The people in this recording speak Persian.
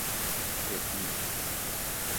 طبی